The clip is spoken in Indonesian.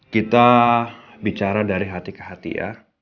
kita bicara dari hati ke hati ya